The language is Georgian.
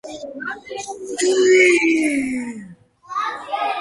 სიმღერა დაიწერა მუსიკოსის ნიუ-იორკში ცხოვრების პერიოდში.